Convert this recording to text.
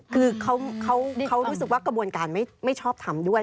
คือเขารู้สึกว่ากระบวนการไม่ชอบทำด้วย